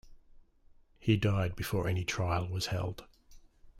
He died before any trial was held.